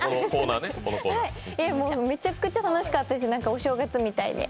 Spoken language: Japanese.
めちゃくちゃ楽しかったし、なんかお正月みたいで。